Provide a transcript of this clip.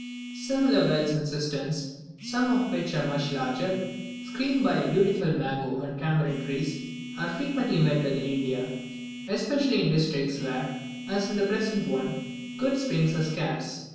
Similar wells and cisterns, some of which are much larger, screened by beautiful mango and tamarind trees, are frequently met with in India, especially in districts where, as in the present one, good springs are scarce.